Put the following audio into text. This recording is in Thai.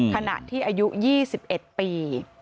ขณะที่อายุ๒๑ปี